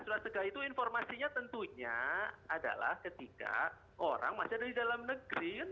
surat tegah itu informasinya tentunya adalah ketika orang masih ada di dalam negeri